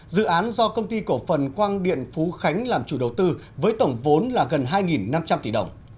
dự án do công ty cổ phần quang điện phú khánh làm chủ đầu tư với tổng vốn là gần hai năm trăm linh tỷ đồng